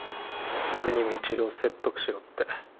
俺に未知留を説得しろって